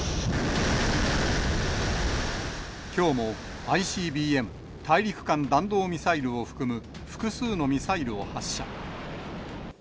きょうも、ＩＣＢＭ・大陸間弾道ミサイルを含む複数のミサイルを発射。